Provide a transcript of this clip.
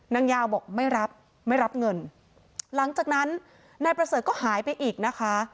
นางยาวบอกไม่รับไม่รับเงินหลังจากนั้นนายประเสริฐก็หายไปอีกนะคะ